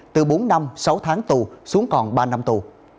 từ bốn năm sáu tháng tù xuống còn ba năm tù